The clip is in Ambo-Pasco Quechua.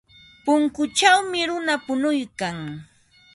Punkuchawmi runa punuykan.